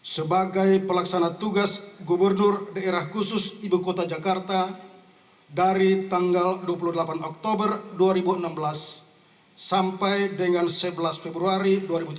sebagai pelaksana tugas gubernur daerah khusus ibu kota jakarta dari tanggal dua puluh delapan oktober dua ribu enam belas sampai dengan sebelas februari dua ribu tujuh belas